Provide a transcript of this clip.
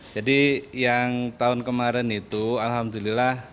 jadi yang tahun kemarin itu alhamdulillah